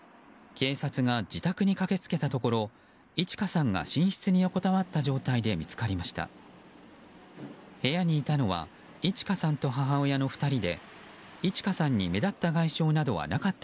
警察が自宅に駆けつけたところいち花さんが寝室に横たわった状態で見つかりました。